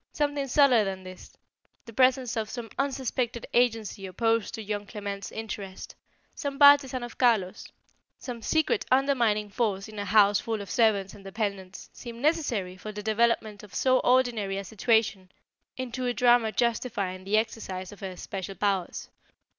Something subtler than this the presence of some unsuspected agency opposed to young Clement's interest; some partisan of Carlos; some secret undermining force in a house full of servants and dependants, seemed necessary for the development of so ordinary a situation into a drama justifying the exercise of her special powers.